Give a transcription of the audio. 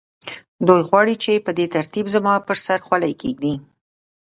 دوی غواړي چې په دې ترتیب زما پر سر خولۍ کېږدي